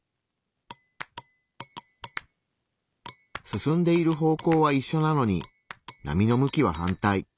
進んでいる方向はいっしょなのに波の向きは反対。